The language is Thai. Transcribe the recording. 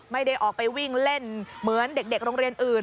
ไม่ได้ออกไปวิ่งเล่นเหมือนเด็กโรงเรียนอื่น